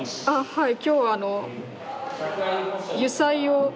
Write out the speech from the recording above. はい。